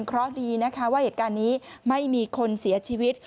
เพราะดีนะคะว่าเหตุการณ์นี้ไม่มีคนเสียชีวิต